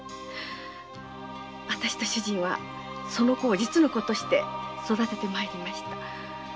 私と主人はその子を実の子として育ててまいりました。